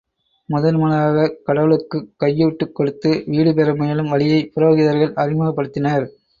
முதன் முதலாகக் கடவுளுக்குக் கையூட்டுக் கொடுத்து வீடு பெற முயலும் வழியை, புரோகிதர்கள் அறிமுகப்படுத்தினர்.